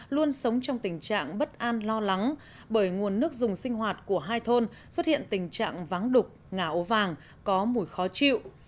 luôn sống trong tình trạng bất an lo lắng bởi nguồn nước dùng sinh hoạt của hai thôn xuất hiện tình trạng vắng đục ngả ố vàng có mùi khó chịu